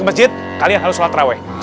kan kita larinya udah pelan banget